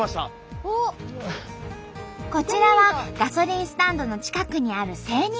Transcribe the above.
こちらはガソリンスタンドの近くにある精肉店。